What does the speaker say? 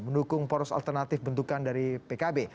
mendukung poros alternatif bentukan dari pkb